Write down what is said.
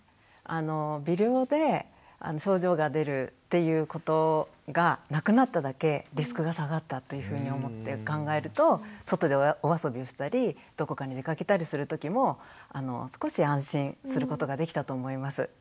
微量で症状が出るっていうことがなくなっただけリスクが下がったというふうに思って考えると外でお遊びをしたりどこかに出かけたりする時も少し安心することができたと思います。